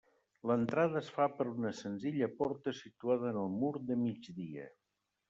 L'entrada es fa per una senzilla porta situada en el mur de migdia.